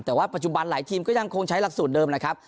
แต่ว่าปัจจุบันหลายทีมก็ยังคงใช้หลักสูตรเดิมนะครับ